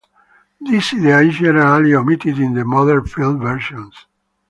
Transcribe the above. This idea is generally omitted in the modern film versions.